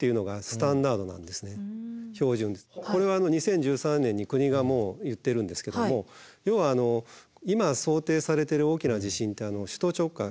今これは２０１３年に国がもう言ってるんですけども要は今想定されてる大きな地震って首都直下。